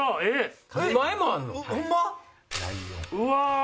うわ！